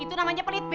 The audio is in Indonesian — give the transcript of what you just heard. itu namanya pelit be